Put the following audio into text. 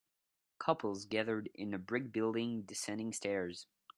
Couples gathered in a Brick building descending stairs